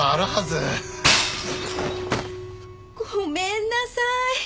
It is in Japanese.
ごめんなさい。